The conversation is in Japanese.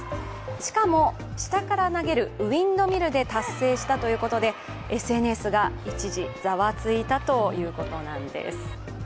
しかも下から投げるウインドミルで達成したということでＳＮＳが一時、ざわついたということなんです。